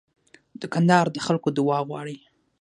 دوکاندار د خلکو دعا غواړي.